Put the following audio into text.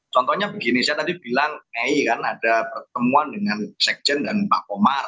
contohnya begini saya tadi bilang mei kan ada pertemuan dengan sekjen dan pak komar